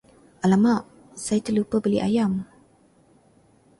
Alamak, saya terlupa beli ayam!